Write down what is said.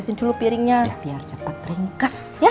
masukin dulu piringnya biar cepat ringkes ya